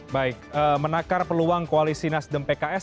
baik menakar peluang koalisi nasdem pks